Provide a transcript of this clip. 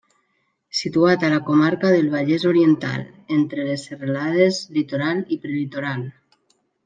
Situat a la comarca del Vallès Oriental, entre les serralades Litoral i Prelitoral.